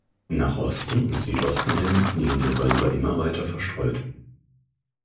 Nach Osten und Südosten hin liegen die Häuser immer weiter verstreut.